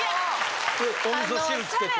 お味噌汁つけて。